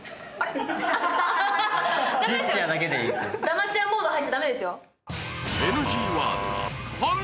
黙っちゃうモード入っちゃ駄目ですよ。